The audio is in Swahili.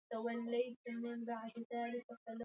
Mfungie mnyama aliyeathiriwa mahali